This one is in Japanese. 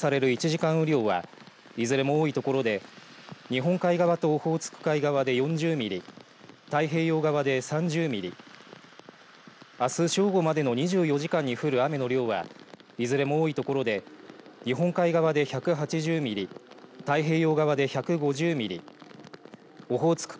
１時間雨量はいずれも多い所で日本海側とオホーツク海側で４０ミリ太平洋側で３０ミリあす正午までの２４時間に降る雨の量は、いずれも多い所で日本海側で１８０ミリ太平洋側で１５０ミリオホーツク